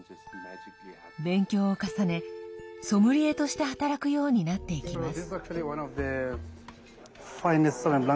勉強を重ね、ソムリエとして働くようになっていきます。